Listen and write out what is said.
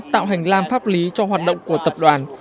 tạo hành lang pháp lý cho hoạt động của tập đoàn